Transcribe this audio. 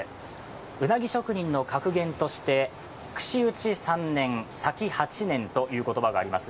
うなぎ職人の格言として串打ち３年、裂き８年という言葉があります。